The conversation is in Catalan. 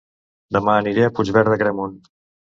Dema aniré a Puigverd d'Agramunt